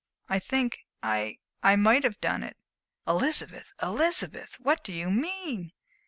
I think I I might have done it." "Elizabeth, Elizabeth, what do you mean?"